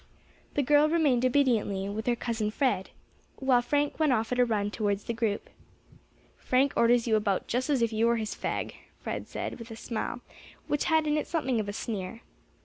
The girl remained obediently with her cousin Fred, while Frank went off at a run towards the group. "Frank orders you about just as if you were his fag," Fred said, with a smile which had in it something of a sneer.